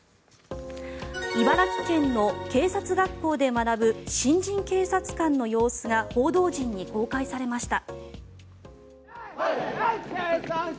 茨城県の警察学校で学ぶ新人警察官の様子が報道陣に公開されました。